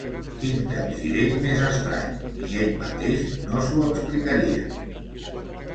¡Quin capgirell més estrany! Ni ell mateix no s'ho explicaria.